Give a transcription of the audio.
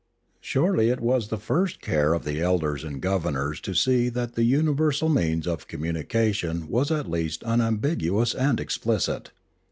Surely it was the first care of the elders and governors Literature 4*3 to see that the universal means of communication was at least unambiguous and explicit.